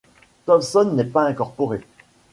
Towson n’est pas incorporée.